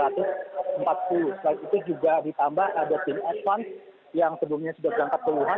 selain itu juga ditambah ada tim advance yang sebelumnya sudah berangkat ke wuhan